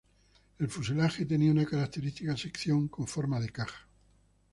El fuselaje tenía una característica sección con forma de caja.